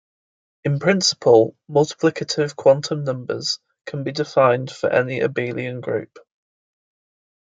In principle, multiplicative quantum numbers can be defined for any abelian group.